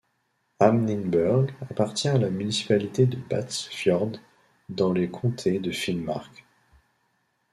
Hamningberg appartient à la municipalité de Båtsfjord dans le comté de Finnmark.